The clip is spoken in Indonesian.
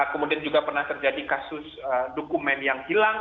kemudian juga pernah terjadi kasus dokumen yang hilang